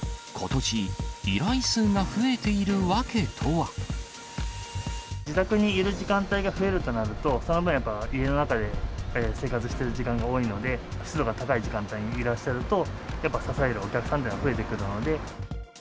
ことし、自宅にいる時間帯が増えるとなると、その分、やっぱり家の中で生活している時間が多いので、湿度が高い時間帯にいらっしゃると、やっぱり刺されるお客様も増えてくるので。